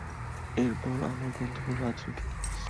এরপর আমার গন্তব্য রাজনীতি।